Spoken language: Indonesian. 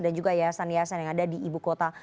dan juga ya stani hasan yang ada di ibu kota